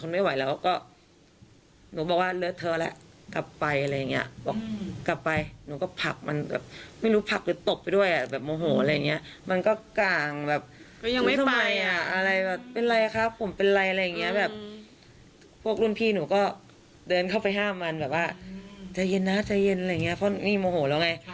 แบบว่าใจเย็นนะใจเย็นอะไรอย่างนี้เพราะนี่โมโหแล้วไง